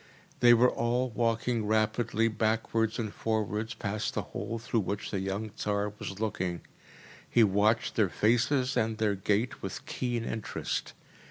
They were all walking rapidly backwards and forwards past the hole through which the young Tsar was looking. He watched their faces and their gait with keen interest.